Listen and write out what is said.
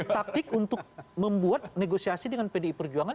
taktik untuk membuat negosiasi dengan pdi perjuangan